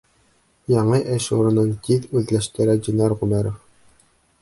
Яңы эш урынын тиҙ үҙләштерә Динар Ғүмәров.